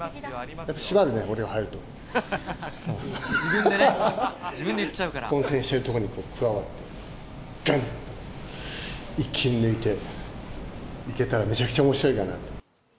混戦してるところに加わって、がんっと、一気に抜いていけたらめちゃくちゃおもしろいかな。